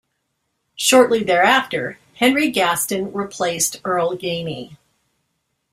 Shortly thereafter, Henry Gaston replaced Earl Gainey.